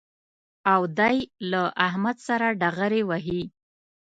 او دی له احمد سره ډغرې وهي